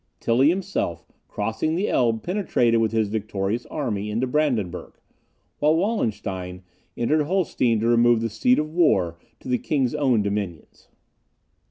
Tilly himself crossing the Elbe penetrated with his victorious army into Brandenburg, while Wallenstein entered Holstein to remove the seat of war to the king's own dominions.